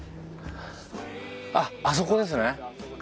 あっあそこですね。